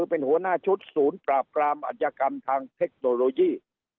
เป็นหัวหน้าชุดศูนย์ปราบปรามอัธยกรรมทางเทคโนโลยี